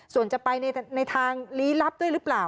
ส่วนจะไปในทางลี้ลับด้วยหรือเปล่า